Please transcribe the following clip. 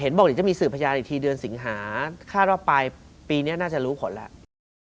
บอกเดี๋ยวจะมีสื่อพยานอีกทีเดือนสิงหาคาดว่าปลายปีนี้น่าจะรู้ผลแล้ว